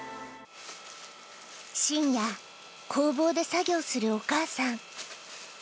深夜、工房で作業するお母さん。